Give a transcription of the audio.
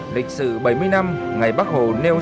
lịch sử bảy mươi năm ngày bắc hồ nêu sáu mươi